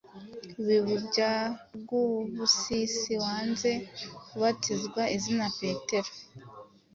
Ibigwi bya Rwubusisi wanze kubatizwa izina Petero